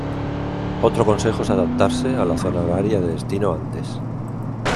Otro consejo es adaptarse a la zona horaria de destino antes.